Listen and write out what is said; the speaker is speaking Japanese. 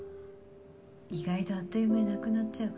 意外とあっという間になくなっちゃうからね。